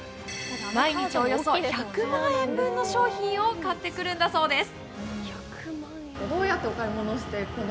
毎日およそ１００万円分の商品を買ってくるんだそうです。